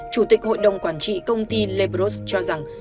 chủ tịch hội đồng quản trị công ty lebros cho rằng